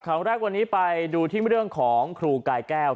ข่าวแรกวันนี้ไปดูที่เรื่องของครูกายแก้ว